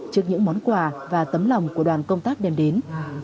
trước những món quà và tấm lòng của đoàn công tác đem đến